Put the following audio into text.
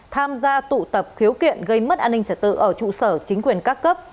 tham gia tụ tập khiếu kiện gây mất an ninh trật tự ở trụ sở chính quyền các cấp